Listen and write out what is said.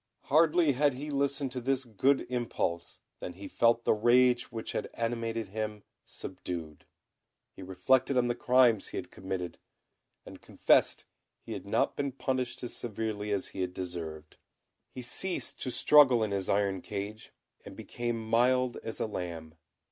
Hardly had he listened to this good impulse than he felt the rage which had animated him subdued, he reflected on the crimes he had committed, and confessed he had not been punished as severely as he had deserved. He ceased to struggle in his iron cage, and became mild as a lamb.